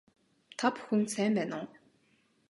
Та бүхэн сайн байна уу